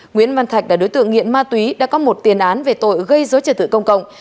nguyễn văn thạch đã đối tượng nghiện ma túy đã có một tiền án về tội gây dối trợ tử công cộng